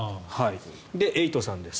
で、エイトさんです。